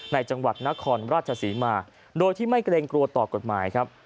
จังหวัดนครราชศรีมาโดยที่ไม่เกรงกลัวต่อกฎหมายครับ